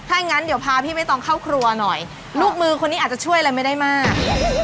ถ้างั้นเดี๋ยวพาพี่ไม่ต้องเข้าครัวหน่อยลูกมือคนนี้อาจจะช่วยอะไรไม่ได้มาก